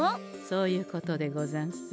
そういうことでござんす。